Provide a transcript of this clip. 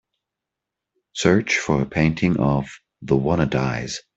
search for a painting of The Wannadies